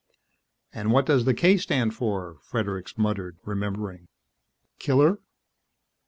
"And what does the K stand for?" Fredericks muttered, remembering. "Killer?"